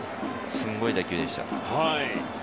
すごい打球でした。